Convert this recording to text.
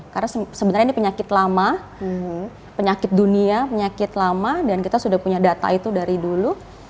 karena sebenarnya ini penyakit lama penyakit dunia penyakit lama dan kita sudah punya data itu dari dulu